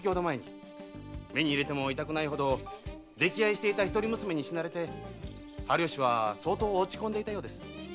目に入れても痛くないほど溺愛していた一人娘に死なれて春芳は相当落ち込んでいたようです。